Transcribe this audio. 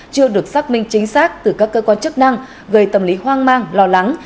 chưa được xác minh chính xác từ các cơ quan chức năng gây tâm lý hoang mang lo lắng